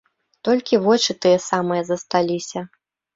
Толькі вочы тыя самыя засталіся.